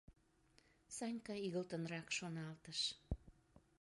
— Санька игылтынрак шоналтыш.